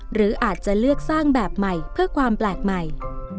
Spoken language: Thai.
หรืออาจจะเลือกสร้างแบบใหม่เพื่อความแปลกใหม่